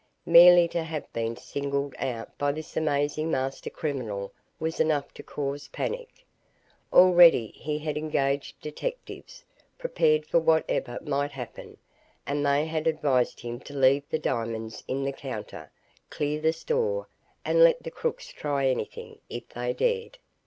Merely to have been singled out by this amazing master criminal was enough to cause panic. Already he had engaged detectives, prepared for whatever might happen, and they had advised him to leave the diamonds in the counter, clear the store, and let the crooks try anything, if they dared.